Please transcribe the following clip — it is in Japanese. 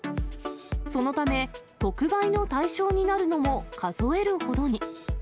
そのため、特売の対象になるのも数えるほどに。